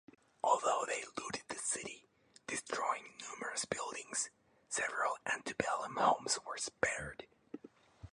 Although they looted the city, destroying numerous buildings, several antebellum homes were spared.